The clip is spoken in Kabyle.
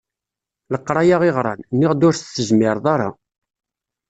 Leqraya i ɣran, nniɣ-d ur s-tezmireḍ ara.